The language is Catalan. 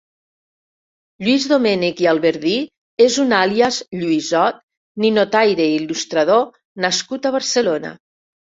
Lluís Domènech i Alberdi és un alias "Llüisot", ninotaire i il·lustrador nascut a Barcelona.